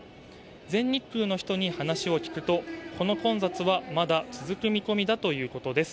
全日空の人に話を聞くとこの混雑はまだ続く見込みだということです。